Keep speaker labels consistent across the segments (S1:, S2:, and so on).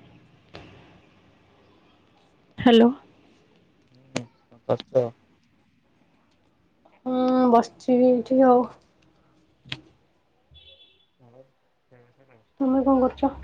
S1: ଆଛ
S2: ହ୍ୟାଲୋ
S1: [unintelligible]
S2: ହଁ ବସିଛି ବି ଏଠି ଆଉ।
S1: ହୁ, ହଁ, ହଁ।
S2: ତମେ କଣ କରୁଛ?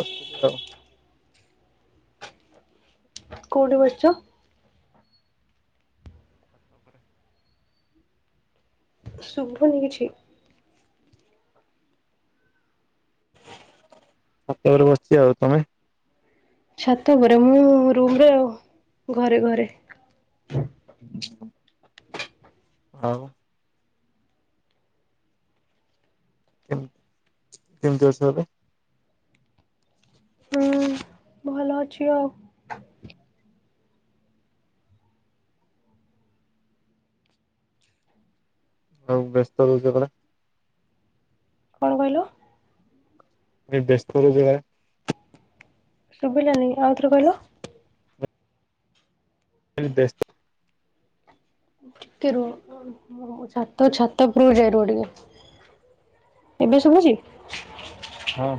S1: ବସିଥିଲି ଆଉ।
S2: କଉଠି ବସିଚ?
S1: ଉପରେ
S2: ଶୁଭନି କିଛି।
S1: ଛାତରେ ବସିଛି ଆଉ, ତମେ?
S2: ଛାତ ପରେ ମୁଁ ରୁମରେ ଆ ଘରେ ଘରେ।
S1: ହଉ। କେମ କେମିତି ଅଛ ଏବେ?
S2: ହୁଁ ଭଲ ଅଛି ଆଉ।
S1: ଆଉ ବ୍ୟସ୍ତ ରହୁଛ [unintelligible]
S2: କଣ କହିଲ?
S1: ବ୍ୟସ୍ତ ରହୁଚ କା?
S2: ସୁଭିଲାଣି, ଆଉଥରେ କହିଲ?
S1: [inaudible]
S2: ଟିକେ ରୁହ ମୁଁ ଛାତ ଛାତ ଉପରକୁ ଯାଏ ରୁହ ଟିକେ। ଏବେ ଶୁଭୁଛି?
S1: ହଁ।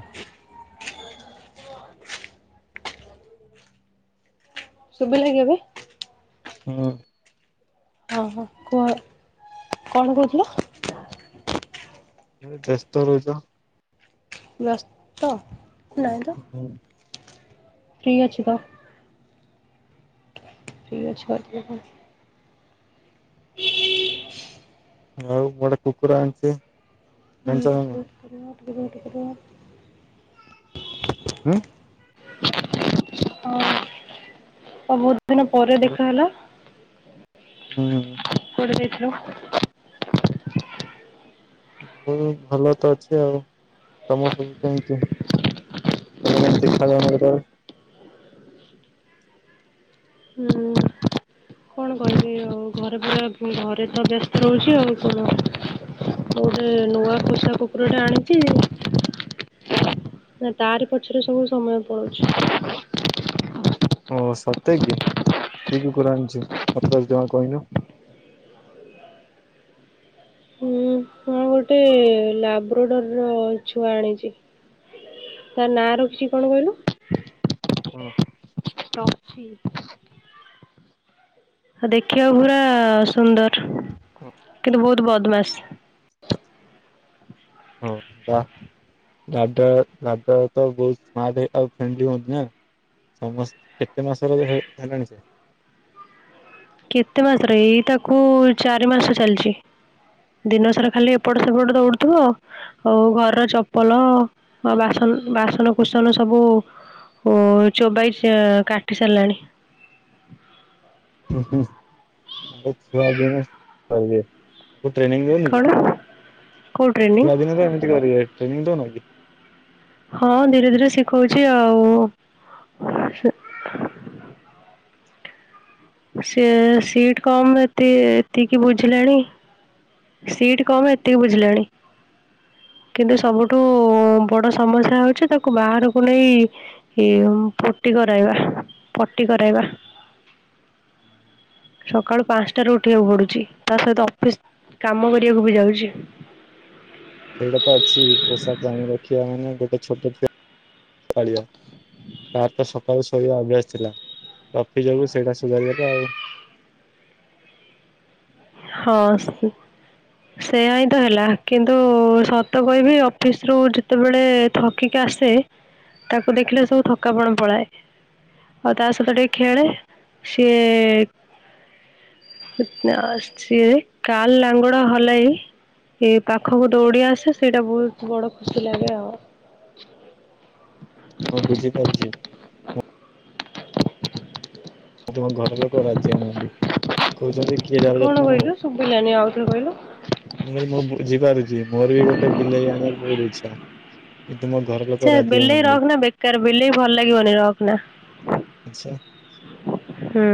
S2: ଶୁଭିଲା କି ଏବେ?
S1: ହୁଁ।
S2: ହଁ ହଁ କୁହ କଣ କହୁଥିଲ?
S1: ମୁଁ କହିଲି ବ୍ୟସ୍ତ ରହୁଛ।
S2: ବ୍ୟସ୍ତ ନା
S1: ହୁଁ।
S2: ଫ୍ରି ଅଛି ପା। ଫ୍ରି ଅଛି ପା କୁହ କଣ? [inaudible]
S1: ଆଉ ଗୋଟେ କୁକୁର ଆଣିଛି। ଜାଣିଛ ନା ନାଇଁ?
S2: [unintelligible]
S1: ହୁଁ।
S2: ହଁ [inaudible] ପରେ ଦେଖା ହେଲା
S1: ହୁଁ।
S2: [inaudible]
S1: ମୁଁ ଭଲ ତ ଅଛି ଆଉ, ତମର ସବୁ କେମ୍ତି? ତମେ କାଇଁ ଦେଖାଯାଉନ [unintelligible]
S2: ହୁଁ। କଣ କରିବି ଆଉ ଘରେ ପୁରା ଘରେ ତ ବ୍ୟସ୍ତ ରହୁଚି ଆଉ କଣ ମୁଁ ଗୋଟେ ନୂଆ ପୋଷା କୁକୁର ଟା ଆଣିଚି ନା ତାରି ପଛରେ ସବୁ ସମୟ ପଳଉଚି।
S1: ଓହୋ ସତେ କି, କି କୁକୁର ଆଣିଚୁ ମତେ ତ ଜମା କହିନୁ?
S2: ହଁ ଗୋଟେ ଲାବ୍ରଡୋର୍ ର ଛୁଆ ଆଣିଚି। ତା ନାଁ ରଖିଚି କଣ କହିଲ?
S1: ହଁ
S2: ଟ୍ରଫି ଆଉ ଦେଖିବାକୁ ପୁରା ସୁନ୍ଦର୍ କିନ୍ତୁ ବହୁତ୍ ବଦମାସ୍।
S1: ତା ଦାଦା-ଦାଦା ତ ବହୁତ୍ ସ୍ମାର୍ଟ ଆଉ ଫ୍ରେଣ୍ଡଲି ମଧ୍ୟ [unintelligible] କେତେ ମାସର ହେ ହେଲାଣି ସେ
S2: କେତେ ମାସର ଏଇ ତାକୁ ଚାରି ମାସ ଚାଲ୍ଚି। ଦିନସାରା ଖାଲି ଏପଟ ସେପଟ ଦୌଡ଼ୁଥିବ ଆଉ ଘରର ଚପଲ ଆଉ ବାସନ-ବାସନ କୁସନ ସବୁ ଓ ଚୋବାଇ ସେ କାଟି ସାରିଲାଣି।
S1: ହୁଁ-ହୁଁ [unintelligible] ଛୁଆ ଦିନେ କରିବେ ତୁ ଟ୍ରେନିଂ ଦଉନୁ
S2: କ'ଣ
S1: କି?
S2: କେଉଁ ଟ୍ରେନିଂ
S1: ଛୁଆ ଦିନେ ତ ଏମିତି କରିବେ, ଟ୍ରେନିଂ ଦଉନା କି?
S2: ହଁ ଧୀରେ-ଧୀରେ ଶିଖୋଉଚି ଆଉ। ସେ ସିଟ୍, କମ୍ ଏତେ ଏତିକି ବୁଝିଲେଣି? ସିଟ୍ କମ୍ ଏତିକି ବୁଝିଲେଣି। କିନ୍ତୁ ସବୁଠୁ ବଡ ସମସ୍ୟା ହଉଛି ତାକୁ ବାହାରକୁ ନେଇ ପଟି କରାଇବା ପଟି କରାଇବା ସକାଳୁ ପାଞ୍ଚଟରାରୁ ଉଠିବାକୁ ପଡୁଚି ତା ସହିତ ଅଫିସ୍ କାମ କରିବାକୁ ବି ଯାଉଚି।
S1: ଏଇଟା ତ ଅଛି ପୋଷା ପ୍ରାଣୀ ରଖିବା ମାନେ ଗୋଟେ ଛୋଟ ଛୁଆ ପାଳିବା। ତାର ତ ସକାଳୁ ଶୋଇବା ଅଭ୍ୟାସ ଥିଲା, ଟ୍ରଫି ଯୋଗୁ ସେଇଟା ସୁଧାରିଗଲା ଆଉ।
S2: ହଁ [unintelligible] ସେୟା ହିଁ ତ ହେଲା, କିନ୍ତୁ ସତ କହିବି ଅଫିସ୍ ରୁ ଯେତେବେଳେ ଥକିକି ଆସେ, ତାକୁ ଦେଖିଲେ ସବୁ ଥକାପଣ ପଳାଏ। ଆଉ ତା ସହିତ ଟିକେ ଖେଳେ, ସିଏ ଅଁ ସିଏ କାଲ୍ ଲାଙ୍ଗୁଡ଼ ହଲାଇ ଏ ପାଖକୁ ଦୌଡିି ଆସେ ସେଇଟା ବହୁତ୍ ବଡ ଖୁସି ଲାଗେ ଆଉ।
S1: ହଁ, ବୁଝିପାରୁଚି। ତମ ଘର ଲୋକ ରାଜି ହଉନାହାନ୍ତି। କହୁଚନ୍ତି କିଏ ତାର
S2: କଣ
S1: ଯତ୍ନ ନବ।
S2: କହିଲୁ ଶୁଭିଲାନି ଆଉଥରେ କହିଲୁ
S1: ମୁଁ କହିଲି ମୁଁ ବୁଝିପାରୁଚି ମୋର ବି ଗୋଟେ ବିଲେଇ ଆଣିବାକୁ ବହୁତ୍ ଇଛା। କି ତୁମ ଘର ଲୋକ ରାଜି ହଉନାହାନ୍ତି।
S2: କାର ବିଲେଇ ଭଲ୍ ଲାଗିବନି ରଖନା।
S1: ଆଚ୍ଛା।
S2: ହୁଁ,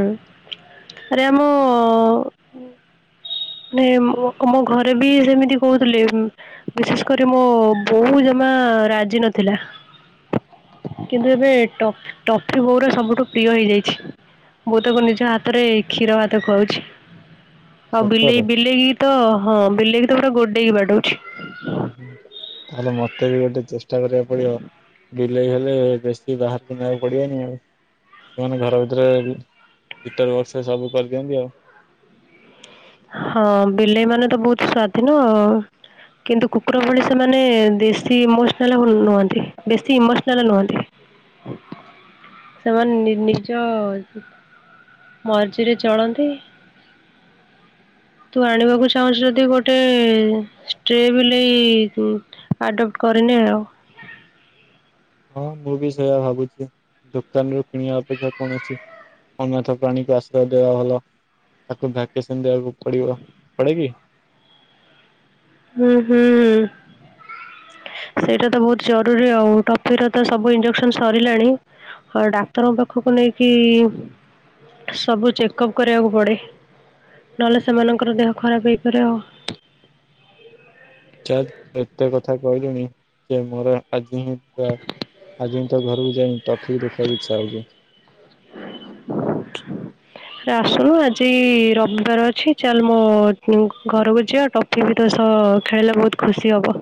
S2: ଆରେ ଆମ [unintelligible] ମୋ-ମୋ ଘରେ ବି ସେମିତି କହୁଥିଲେ ଉଁ ବିଶେଷ କରି ମୋ ବୋଉ ଜମା ରାଜି ନଥିଲା। କିନ୍ତୁ ଏବେ ଟଫି ଟଫି ମୋର ସବୁଠୁ ପ୍ରିୟ ହେଇଯାଇଛି। ମୁଁ ତାକୁ ନିଜ ହାତରେ କ୍ଷୀର ଭାତ ଖୁଆଉଛି। ଆଉ
S1: ସତରେ
S2: ବିଲେଇ ବିଲେଇ ତ ହଁ ବିଲେଇକି ତ ପୁରା ଗୋଡେଇକି ବାଡଉଛି।
S1: ତାହେଲେ ମତେ ବି ଗୋଟେ ଚେଷ୍ଟା କରିବାକୁ ପଡିବ ବି ବିଲେଇ ହେଲେ ବେସି ବାହାରକୁ ନେବା କୁ ପଡିବନି ଆଉ। ଜୋଉ ମାନେ ଘର। ଭିତରେ ହିଟର ବସେଇ ସବୁ କରିଦିଅନ୍ତି ଆଉ
S2: ହଁ ବିଲେଇ ମାନେ ତ ବୋହୁତ ସ୍ୱାଧୀନ ଅ କିନ୍ତୁ କୁକୁର ଭଳି ସେମାନେ ଦେସି ଇମୋସନାଲ ହୁଅନ୍ତି ବେଶୀ ଇମୋସନାଲ ନୁହନ୍ତି। ସେମାନେ ନିଜ ମର୍ଜି ରେ ଚଳନ୍ତି। ତୁ ଆଣିବାକୁ ଚାହୁଁଛୁ ଯଦି ଗୋଟେ ଷ୍ଟ୍ରେ ବିଲେଇ କୁ ଆଡପ୍ଟ କରିନେ ଆଉ।
S1: ହଁ ମୁଁ ବି ସେୟା ଭାବୁଚି ଦୋକାନରୁୁ କିଣିବା ଅପେକ୍ଷା କୌଣସି ଅନାଥ କୁ ଆଣି ଆଶ୍ରୟ ଦେବା ଭଲ ତାକୁ ଭ୍ୟାକେସନ ଦେବାକୁ ପଡିବ ପଡେ କି।
S2: ହୁଁ ହୁଁ। ସେଇଟା ତ ବୋହୁତ ଜରୁରୀ ଆଉ ଟଫିର ତ ସବୁ ଇଞ୍ଜେକ୍ସନ ସରିଲାଣି ହ ଡାକ୍ତରଙ୍କ ପାଖକୁ ନେଇକି ସବୁ ଚେକଅପ କରେଇବାକୁ ପଡେ ନହେଲେ ସେମାନଙ୍କର ଦେହ ଖରାପ ହେଇପାରେ ଆଉ।
S1: ଚାଲ ଏତେ କଥା କହିଲୁଣି ଯେ ମୋର ଆଜି ହିଁ [unintelligible] ଆଜିଁ ତ ଘରକୁ ଯାଁଇଁ ଟକିକି ଦେଖିବାକୁ ଇଚ୍ଛା ହଉଛି।
S2: [inaudible] ଆସନୁ ଆଜି ରବିବାର ଅଛି ଚାଲେ ମୋ ଘରକୁ ଯିବା ଟପ୍ କି ବି ତୋ ସହ ଖେଳିଲେ ବୋହୁତ ଖୁସି ହେବ।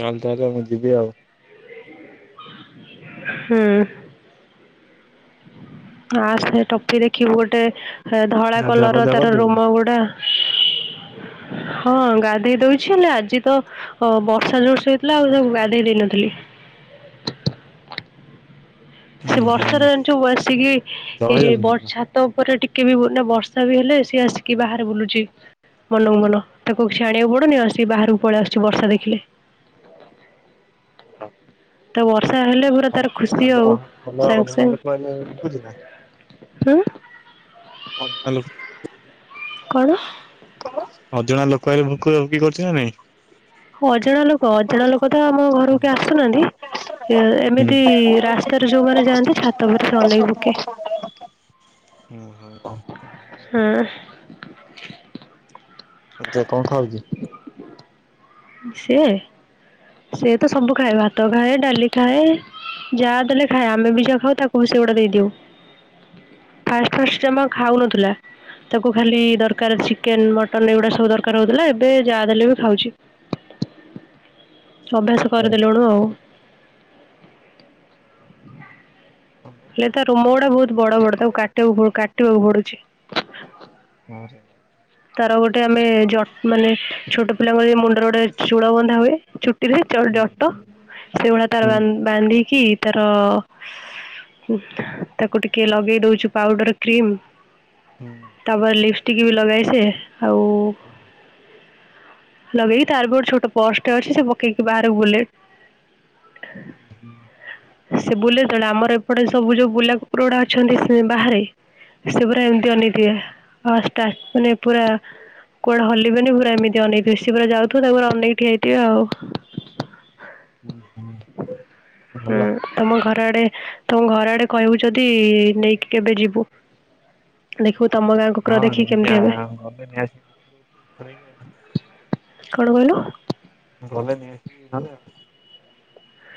S1: ନାହେଲେ ତାହେଲେ ମୁଁ ଯିବି ଆଉ।
S2: ହୁଁ। ଆସେ ଟପି ଦେଖିବୁ ଗୋଟେ ଧଳା
S1: ଗାଧୁଆ
S2: କଲର
S1: ପାଧୁଆ
S2: ତାର
S1: କରିଦବୁ ନା?
S2: ରୋମ ଗୁଡା। ହଁ ଗାଧେଇ ଦଉଛି ହେଲେ ଆଜି ତ ହ ବର୍ଷା ଜୋର ସେ ହେଇଥିଲା ଆଉ ତାବୁ ଗ୍ୟାଧେଇ ଦେଇନଥିଲି। ସେ
S1: ହୁଁ ହୁଁ।
S2: ବର୍ଷାରେ ଜୋ ବସିକି ଏଇ
S1: ଜଳଖିଆ
S2: ବର୍ଷା ତା ଉପରେ ଟିକେ ବି ନା ବର୍ଷା ବି ହେଲେ ସିଏ ଆସିକି ବାହାରେ ବୁଲୁଛି। ମନକୁ ମନ ତାକୁ କିଛି ଆଣିବାକୁ ପଡୁନି ଆସିକି ବାହାରକୁ ପଳେଇ ଆସୁଛି ବର୍ଷା ଦେଖିଲେ।
S1: ହଁ।
S2: ତ ବର୍ଷା ହେଲେ ପୁରା ତାର ଖୁସି ଆଉ
S1: ଅଜଣା
S2: ସାଙ୍ଗେ
S1: ଲୋକ ଆଇଲେ ଭୁକୁଛି ନା?
S2: ସାଙ୍ଗେ। ଉଁ।
S1: ହାଲୋ।
S2: କଣ।
S1: ଅଜଣା ଲୋକ ଆଇଲେ ଭୋକା ଭୋକି କରୁଛି ନା ନାଇଁ?
S2: ଅଜାଣା ଲୋକ ଅଜଣା ଲୋକ ତ ଆମ ଘରକୁ କିଏ ଆସୁନାହାନ୍ତି। ଏ
S1: ହୁଁ।
S2: ଏମିତି ରାସ୍ତାରେ ଯୋଉମାନେ ଯାଆନ୍ତି ଛାତ ଉପରେ ସେ ଅନେଇକି ଭୁକେ।
S1: ଅ ହୋ।
S2: ହୁଁ।
S1: ଆଚେ କଁ ଖାଉଚୁ।
S2: ସିଏ। ସିଏ ତ ସବୁ ଖାଏ ଭାତ ଖାଏ ଡାଲି ଖାଏ। ଯା ଦେଲେ ଖାଏ ଆମେ ବି ଯାହା ଖାଉ ତାକୁ ବି ସେଗୁଡା ଦେଇଦଉ। ଫାଷ୍ଟ ଫାଷ୍ଟ ଜମା ଖାଉ ନଥିଲା। ତାକୁ ଖାଲି ଦରକାର ଚିକେନ ମଟନ ଏଇଗୁଡା ସବୁ ଦରକାର ହଉଥିଲା ଏବେ ଯାହା ଦେଲେ ବି ଖାଉଛି। ଅଭ୍ୟାସ କରିଦେଲୁଣୁ ଆଉ। ହେଲେ ତା ରୁମ ଗୁଡା ବହୁତ ବଡ ବଡ ତାକୁ କାଟିବୁ କାଟିବାକୁ ପଡୁଛି।
S1: [unintelligible]
S2: ତାର ଗୋଟେ ଆମେ ଜଟ ମାନେ ଛୋଟ ପିଲାଙ୍କ ମୁଣ୍ଡରେ ଗୋଟେ ଚୁଳ ବନ୍ଧା ହୁଏ। [inaudible] ଜଟ ସେଇଭଳିଆ ତାର ବାନ୍ଧିକି ତାର ତାକୁ ଟିକେ ଲଗେଇ ଦଉଛୁ ପାଉଡର କ୍ରିମ୍। ତାପରେ ଲିପଷ୍ଟିକ ବି ଲଗାଏସେ ଆଉ ଲଗେଇକି ତାର ପି ଛୋଟ ପର୍ସ୍ ଟେ ଅଛି ସେ ପକେଇକି ବାହାରେ ବୁଲେ।
S1: [inaudible]
S2: ସେ ବୁଲେ ଯେତେବେଳେ ଆମର ଏପଟେ ସବୁ ଯୋଉ ବୁଲା କୁକୁରଡା ଅଛନ୍ତି ସେ ବାହାରେ ସେ ପୁରା ଏମିତି ଅନେଇଥିବେ ଆସ୍ତ ମାନେ ପୁରା କୁଆଡେ ହଲିବେନି ପୁରା ଏମିତି ଅନେକି ବେଶୀ ପୁରା ଯାଉଥିବ ତାକୁ ପୁରା ଅନେଇକି ଠିଆହେଇ ଥିବେ ଆଉ। [inaudible] ହୁଁ
S1: [unintelligible]
S2: ତମ ଘର ଆଡେ ତମ ଘର ଆଡେ କହିବୁ ଯଦି ନେଇକି କେବେ ଯିବୁ। ଦେଖିବୁ ତମ ଗାଁ
S1: ହଁ
S2: କୁକୁର ଦେଖିକି କେମିତି ହେବେ।
S1: [unintelligible] [unintelligible]
S2: କଣ କହିଲୁ?
S1: [unintelligible]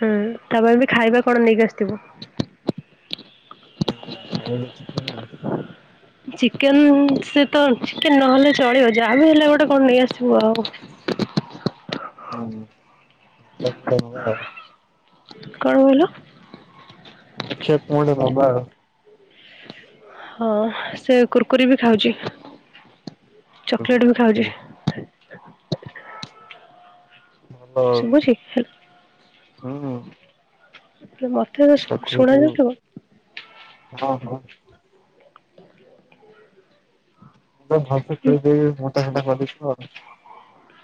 S2: ହୁଁ ତାପାଇଁ ବି ଖାଇବା କଣ ନେଇକି ଆସିଥିବୁ।
S1: [unintelligible]
S2: ଚିକେନ ସେ ତ ଚିକେନ ନହେଲେ ଚଳିବ ଯାହା ବି ହେଲେ ଗୋଟେ କଣ ନେଇଆସିବୁ ଆଉ।
S1: ହୁଁ ହଁ [inaudible]
S2: କଣ କହିଲୁ?
S1: ଦେଖିବା କଣ ଗୋଟେ ନବା ଆଉ।
S2: ହଁ ସେ କୁୁରକୁରି ବି ଖାଉଛି ଚକୋଲେଟ ବି ଖାଉଛି। ଶୁଭୁଛି ହେଲୋ
S1: ଉଁ।
S2: ମତେ କଣ ସୁ
S1: ହଁ
S2: ଶୁଣାଯାଉଥିବ।
S1: ହଁ ହ।
S2: ହୁଁ
S1: [unintelligible]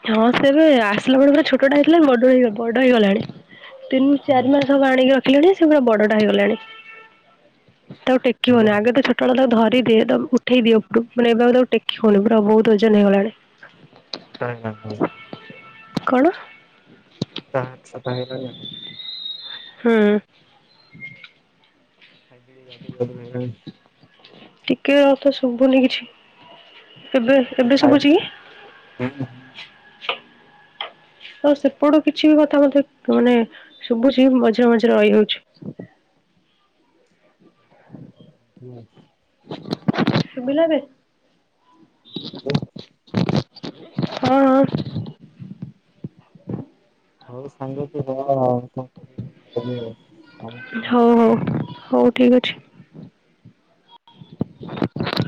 S2: ହଁ ସେବେ ଆସିଲା ବେଳେ ପୁରା ଛୋଟ ଟେ ହେଇଥିଲା, ଏବେ ବଡ ହେଇଗଲା ବଡ ହେଇଗଲାଣି। ତିନି ଚାରି ମାସ ହବ ଆଣିକି ରଖିଲିଣି, ସେ ପୁରା ବଡଟା ହେଇଗଲାଣି। ତାକୁ ଟେ ଟେକିବନି ଆଗରେ ତ ଛୋଟ ବେଳୁତ ତାକୁ ଧରିଦିଏ ତ ଉଠେଇ ଦିଏ ଉପରକୁ ମାନେ ଏବେ ଆଉ ତାକୁ ଟେକ [inaudible] ପୁରା ବହୁତ ଓଜନ ହେଇଗଲାଣି।
S1: ହ ହଁ [unintelligible]
S2: କଣ?
S1: ତା ହାତ ସଫା ହେଲାଣି କି ନାଇ?
S2: ହୁଁ।
S1: ଆଗକୁ ଦୁର୍ଗା ପୂଜା ଆସିଲାଣି।
S2: ଟିକେ ମତେ ଶୁଭୁନି କିଛି। ଏବେ ଏବେ
S1: ଖାଇ
S2: ଶୁଭୁଚି କି?
S1: ହୁଁ ହୁଁ।
S2: ତୋର ସେପଟୁ କିଛି ବି କଥା ମତେ ମାନେ ଶୁବୁଚି, ମାନେ ମଝିରେ ମଝିରେ ରହି ଯାଉଚି।
S1: [unintelligible]
S2: ଶୁବିଲା ଏବେ?
S1: ହଁ, ଶୁଭିଲା।
S2: ହଁ ଅଁ
S1: ହଉ ସାଙ୍ଗ ତୁ [unintelligible] କଣ କରିବୁ
S2: ହଉ
S1: [unintelligible]
S2: ହଉ ହଉ ଠିକ୍ ଅଛି। [unintelligible]